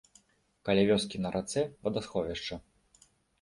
Каля вёскі на рацэ вадасховішча.